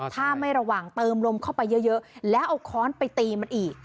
ถ้าไม่ระหว่างเติมลมเข้าไปเยอะแล้วเอาค้อนไปตีมันอีก